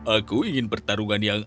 aku ingin pertarungan yang